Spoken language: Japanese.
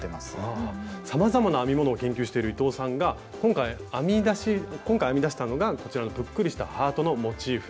さまざまな編み物を研究している伊藤さんが今回編み出したのがこちらのぷっくりしたハートのモチーフ。